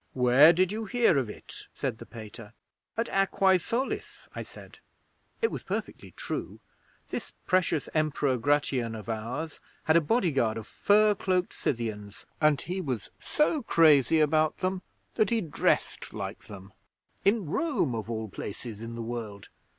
'"Where did you hear of it?" said the Pater. '"At Aquae Solis," I said. It was perfectly true. This precious Emperor Gratian of ours had a bodyguard of fur cloaked Scythians, and he was so crazy about them that he dressed like them. In Rome of all places in the world!